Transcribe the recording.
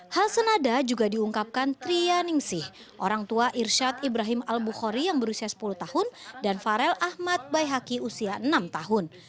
hal senada juga diungkapkan tria ningsih orang tua irsyad ibrahim al bukhori yang berusia sepuluh tahun dan farel ahmad baihaki usia enam tahun